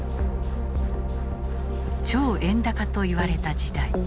超円高と言われた時代。